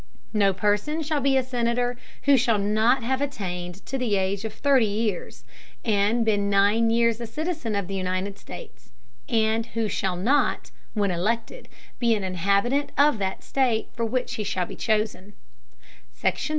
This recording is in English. No Person shall be a Senator who shall not have attained to the Age of thirty Years, and been nine Years a Citizen of the United States, and who shall not, when elected, be an Inhabitant of that State for which he shall be chosen.